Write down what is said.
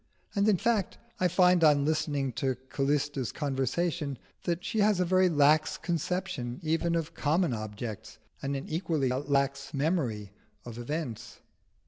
And, in fact, I find on listening to Callista's conversation, that she has a very lax conception even of common objects, and an equally lax memory of events.